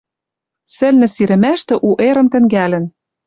Сӹлнӹ сирӹмӓштӹ у эрым тӹнгӓлӹн